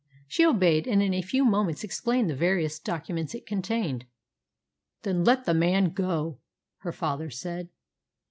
She obeyed, and in a few moments explained the various documents it contained. "Then let the man go," her father said.